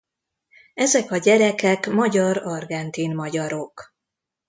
Ezek a gyerekek magyar-argentin magyarok.